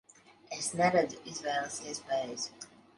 Es neredzu izvēles iespējas.